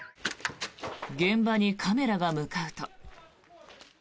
現場にカメラが向かうと。